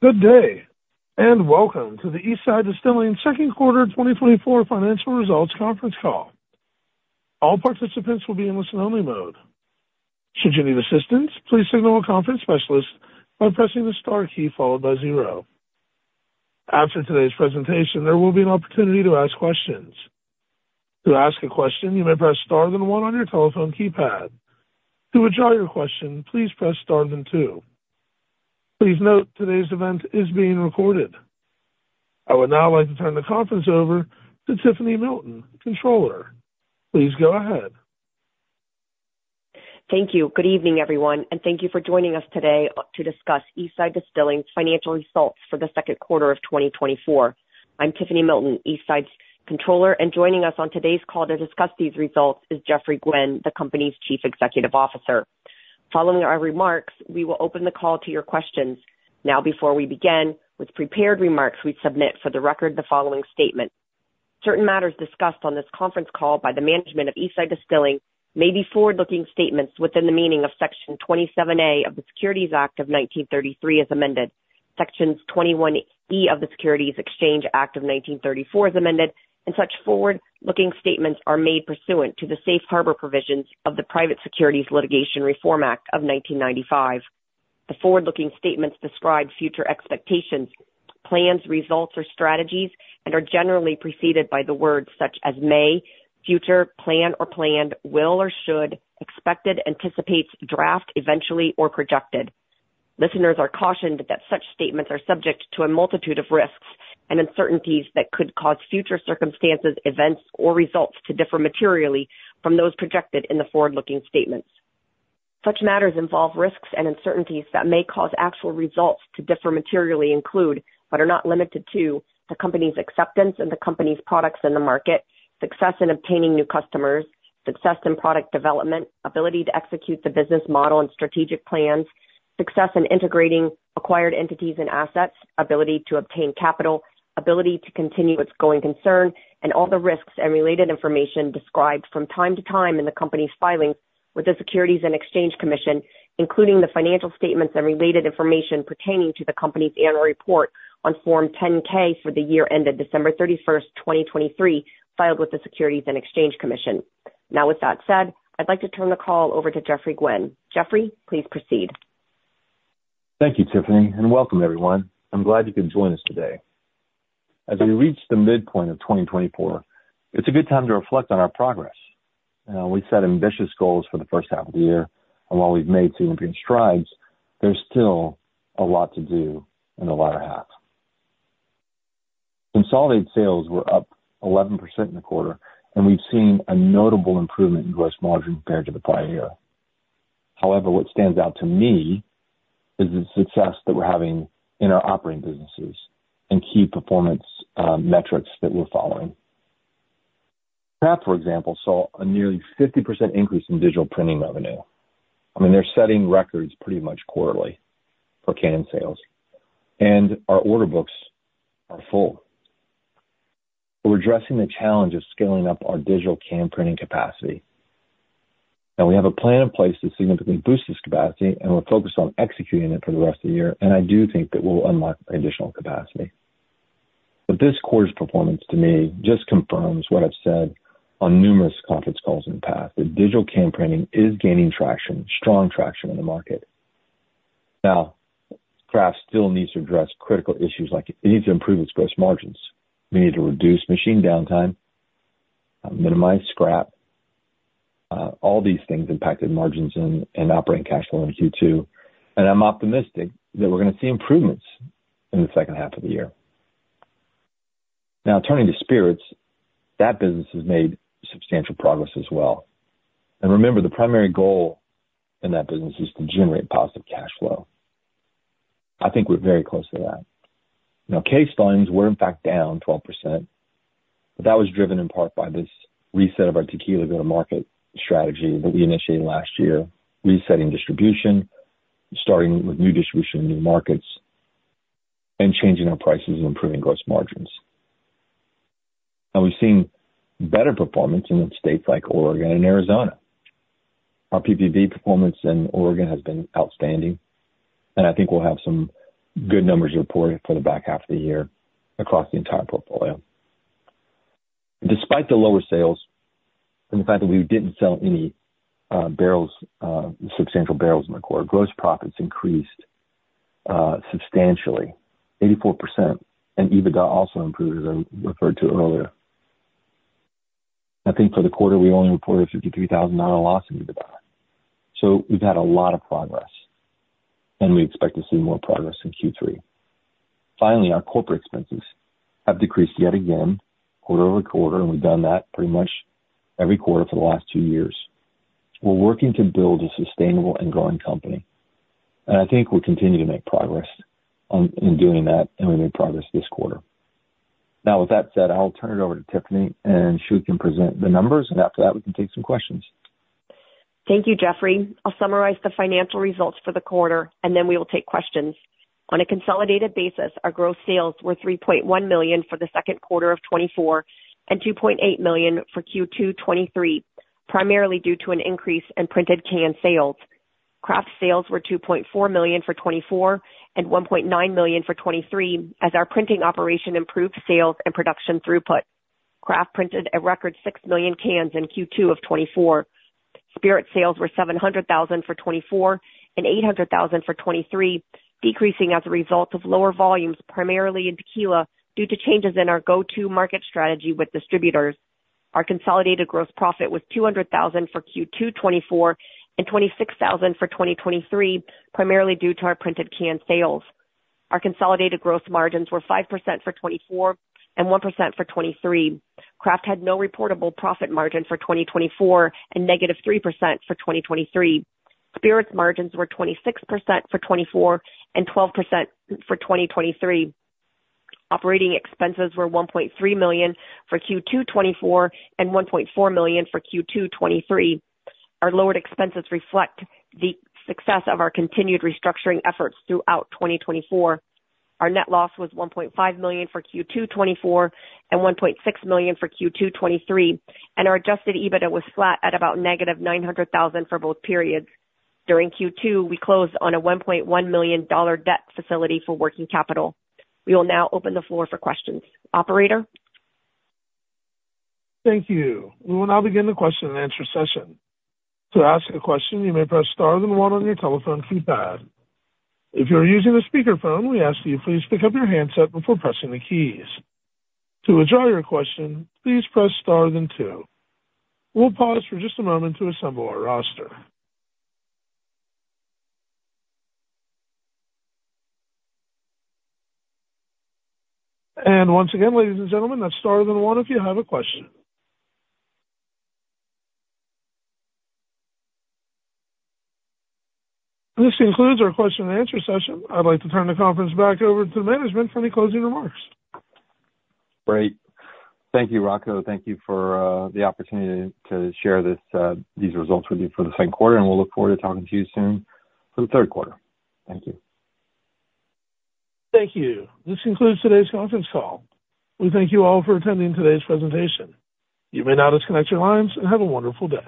Good day, and welcome to the Eastside Distilling Second Quarter 2024 Financial Results Conference Call. All participants will be in listen-only mode. Should you need assistance, please signal a conference specialist by pressing the star key followed by zero. After today's presentation, there will be an opportunity to ask questions. To ask a question, you may press star then one on your telephone keypad. To withdraw your question, please press star then two. Please note, today's event is being recorded. I would now like to turn the conference over to Tiffany Milton, Controller. Please go ahead. Thank you. Good evening, everyone, and thank you for joining us today to discuss Eastside Distilling's financial results for the second quarter of 2024. I'm Tiffany Milton, Eastside's Controller, and joining us on today's call to discuss these results is Geoffrey Gwin, the company's Chief Executive Officer. Following our remarks, we will open the call to your questions. Now, before we begin with prepared remarks, we submit for the record the following statement. Certain matters discussed on this conference call by the management of Eastside Distilling may be forward-looking statements within the meaning of Section 27A of the Securities Act of 1933, as amended, Section 21E of the Securities Exchange Act of 1934, as amended, and such forward-looking statements are made pursuant to the Safe Harbor Provisions of the Private Securities Litigation Reform Act of 1995. The forward-looking statements describe future expectations, plans, results, or strategies and are generally preceded by the words such as may, future, plan or planned, will or should, expected, anticipates, draft, eventually, or projected. Listeners are cautioned that such statements are subject to a multitude of risks and uncertainties that could cause future circumstances, events, or results to differ materially from those projected in the forward-looking statements. Such matters involve risks and uncertainties that may cause actual results to differ materially include, but are not limited to, the company's acceptance and the company's products in the market, success in obtaining new customers, success in product development, ability to execute the business model and strategic plans, success in integrating acquired entities and assets, ability to obtain capital, ability to continue its going concern, and all the risks and related information described from time to time in the company's filings with the Securities and Exchange Commission, including the financial statements and related information pertaining to the company's annual report on Form 10-K for the year ended December 31, 2023, filed with the Securities and Exchange Commission. Now, with that said, I'd like to turn the call over to Geoffrey Gwin. Geoffrey, please proceed. Thank you, Tiffany, and welcome, everyone. I'm glad you could join us today. As we reach the midpoint of 2024, it's a good time to reflect on our progress. We set ambitious goals for the first half of the year, and while we've made significant strides, there's still a lot to do in the latter half. Consolidated sales were up 11% in the quarter, and we've seen a notable improvement in gross margin compared to the prior year. However, what stands out to me is the success that we're having in our operating businesses and key performance metrics that we're following. Craft, for example, saw a nearly 50% increase in digital printing revenue. I mean, they're setting records pretty much quarterly for can sales, and our order books are full. We're addressing the challenge of scaling up our digital can printing capacity. Now, we have a plan in place to significantly boost this capacity, and we're focused on executing it for the rest of the year, and I do think that we'll unlock additional capacity. But this quarter's performance, to me, just confirms what I've said on numerous conference calls in the past, that digital can printing is gaining traction, strong traction in the market. Now, Craft still needs to address critical issues, like it needs to improve its gross margins. We need to reduce machine downtime, minimize scrap. All these things impacted margins and, and operating cash flow in Q2, and I'm optimistic that we're gonna see improvements in the second half of the year. Now, turning to spirits, that business has made substantial progress as well. Remember, the primary goal in that business is to generate positive cash flow. I think we're very close to that. Now, case volumes were in fact down 12%, but that was driven in part by this reset of our tequila go-to-market strategy that we initiated last year, resetting distribution, starting with new distribution in new markets, and changing our prices and improving gross margins. Now, we've seen better performance in states like Oregon and Arizona. Our PPV performance in Oregon has been outstanding, and I think we'll have some good numbers reported for the back half of the year across the entire portfolio. Despite the lower sales and the fact that we didn't sell any substantial barrels in the quarter, gross profits increased substantially 84%, and EBITDA also improved, as I referred to earlier. I think for the quarter, we only reported a $53,000 loss in EBITDA. So we've had a lot of progress, and we expect to see more progress in Q3. Finally, our corporate expenses have decreased yet again, quarter-over-quarter, and we've done that pretty much every quarter for the last two years. We're working to build a sustainable and growing company, and I think we're continuing to make progress on, in doing that, and we made progress this quarter. Now, with that said, I'll turn it over to Tiffany, and she can present the numbers, and after that, we can take some questions. Thank you, Geoffrey. I'll summarize the financial results for the quarter, and then we will take questions. On a consolidated basis, our gross sales were $3.1 million for the second quarter of 2024 and $2.8 million for Q2 2023, primarily due to an increase in printed can sales. Craft sales were $2.4 million for 2024, and $1.9 million for 2023, as our printing operation improved sales and production throughput. Craft printed a record 6 million cans in Q2 of 2024. Spirits sales were $700 thousand for 2024 and $800 thousand for 2023, decreasing as a result of lower volumes, primarily in tequila, due to changes in our go-to market strategy with distributors. Our consolidated gross profit was $200 thousand for Q2 2024 and $26 thousand for 2023, primarily due to our printed can sales. Our consolidated gross margins were 5% for 2024 and 1% for 2023. Craft had no reportable profit margin for 2024 and -3% for 2023. Spirits margins were 26% for 2024 and 12% for 2023. Operating expenses were $1.3 million for Q2 2024 and $1.4 million for Q2 2023. Our lowered expenses reflect the success of our continued restructuring efforts throughout 2024. Our net loss was $1.5 million for Q2 2024 and $1.6 million for Q2 2023, and our Adjusted EBITDA was flat at about -$900,000 for both periods. During Q2, we closed on a $1.1 million debt facility for working capital. We will now open the floor for questions. Operator? Thank you. We will now begin the question and answer session. To ask a question, you may press star then one on your telephone keypad. If you're using a speakerphone, we ask that you please pick up your handset before pressing the keys. To withdraw your question, please press star then two. We'll pause for just a moment to assemble our roster. Once again, ladies and gentlemen, press star then one if you have a question. This concludes our question and answer session. I'd like to turn the conference back over to management for any closing remarks. Great. Thank you, Rocco. Thank you for the opportunity to share these results with you for the second quarter, and we'll look forward to talking to you soon for the third quarter. Thank you. Thank you. This concludes today's conference call. We thank you all for attending today's presentation. You may now disconnect your lines, and have a wonderful day.